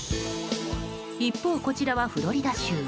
一方、こちらはフロリダ州。